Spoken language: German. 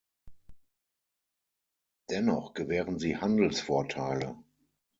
Dennoch gewähren sie Handelsvorteile.